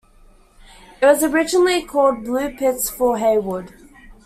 It was originally called Blue Pits for Heywood.